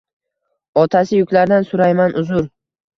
Otasi yuklardan surayman uzr